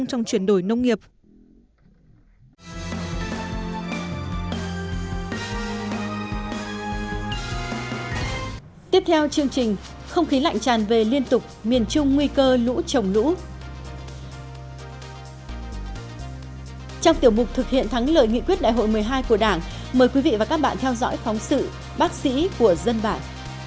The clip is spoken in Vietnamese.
trong tiểu mục thực hiện thắng lợi nghị quyết đại hội một mươi hai của đảng mời quý vị và các bạn theo dõi phóng sự bác sĩ của dân bản